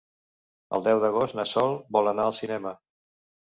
El deu d'agost na Sol vol anar al cinema.